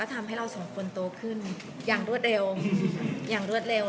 ก็ทำให้เราสองคนโตขึ้นอย่างรวดเร็ว